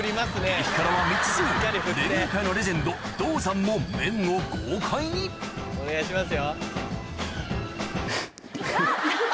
激辛は未知数レゲエ界のレジェンドＤＯＺＡＮも麺を豪快にお願いしますよ。